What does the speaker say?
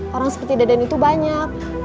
orang seperti deden itu banyak